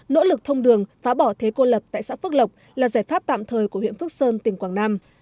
nỗ lực thông đường phá bỏ thế cô lập tại xã phước lộc là giải pháp tạm thời của huyện phước sơn tỉnh quảng nam